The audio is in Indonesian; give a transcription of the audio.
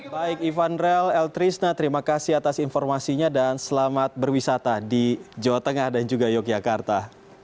baik ivanrel eltrisna terima kasih atas informasinya dan selamat berwisata di jawa tengah dan juga yogyakarta